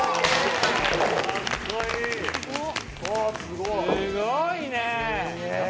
「すごいね」